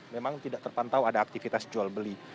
memang tidak terpantau ada aktivitas jual beli